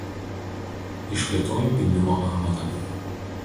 Išplėtojo pynimo amatą.